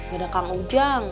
gak ada kang ujang